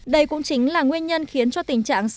đây cũng chính là nguyên nhân khiến cho tình trạng